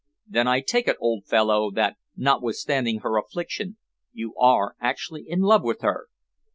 "Then I take it, old fellow, that notwithstanding her affliction, you are actually in love with her?"